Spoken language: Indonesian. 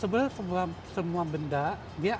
sebenarnya semua benda